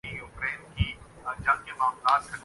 اسک diving تو بہر حال ایک خطر کھیل ہے